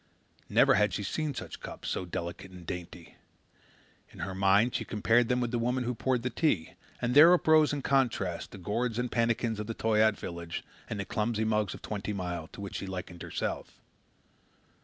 Never had she seen such cups, so delicate and dainty. In her mind she compared them with the woman who poured the tea, and there uprose in contrast the gourds and pannikins of the Toyaat village and the clumsy mugs of Twenty Mile, to which she likened herself.